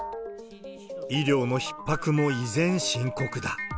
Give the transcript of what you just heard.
医療のひっ迫も依然深刻だ。